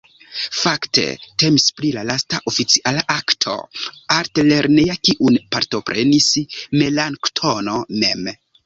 Fakte temis pri la lasta oficiala akto altlerneja kiun partoprenis Melanktono mem.